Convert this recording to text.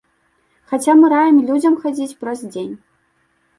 Хаця мы раім людзям хадзіць праз дзень.